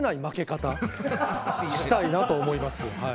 負け方したいなと思います。